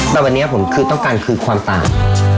แต่วันนี้ผมคือต้องการคือความต่าง